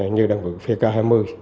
như đơn vựng phi kê hai mươi